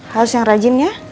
harus yang rajin ya